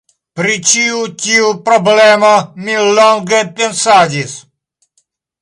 Pri ĉi tiu problemo mi longe pensadis.